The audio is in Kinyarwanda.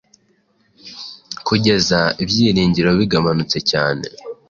kugeza ibyiringiro bigabanutse cyane